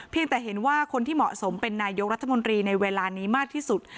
แต่เห็นว่าคนที่เหมาะสมเป็นนายกรัฐมนตรีในเวลานี้มากที่สุด